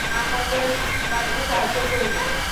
আমাদের বাড়তি সাহায্য প্রয়োজন।